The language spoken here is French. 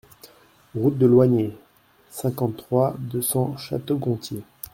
Route de Loigné, cinquante-trois, deux cents Château-Gontier